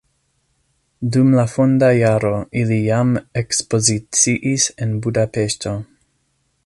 Dum la fonda jaro ili jam ekspoziciis en Budapeŝto.